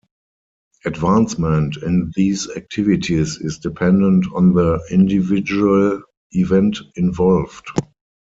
Advancement in these activities is dependent on the individual event involved.